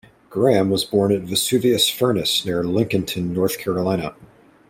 Graham was born at Vesuvius Furnace near Lincolnton, North Carolina.